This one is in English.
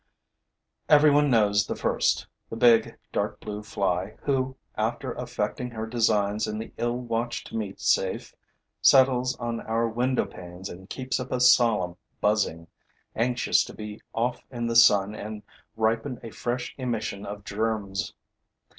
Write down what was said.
Every one knows the first, the big, dark blue fly who, after effecting her designs in the ill watched meat safe, settles on our window panes and keeps up a solemn buzzing, anxious to be off in the sun and ripen a fresh emission of germs.